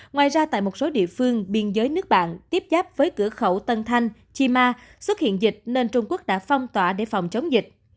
ngoài ra tại một số địa phương biên giới nước bạn tiếp giáp với cửa khẩu tân thanh chi ma xuất hiện dịch nên trung quốc đã phong tỏa để phòng chống dịch